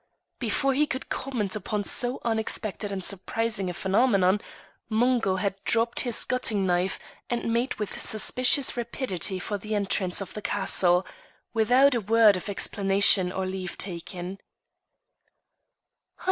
Before he could comment upon so unexpected and surprising a phenomenon, Mungo had dropped his gutting knife and made with suspicious rapidity for the entrance of the castle, without a word of explanation or leave taking.